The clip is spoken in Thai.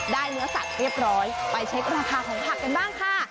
เนื้อสัตว์เรียบร้อยไปเช็คราคาของผักกันบ้างค่ะ